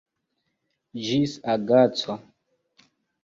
Ĝis agaco.